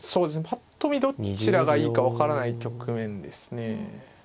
ぱっと見どちらがいいか分からない局面ですね。